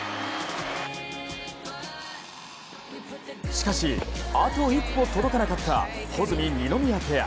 しかし、あと一歩届かなかった穂積・二宮ペア。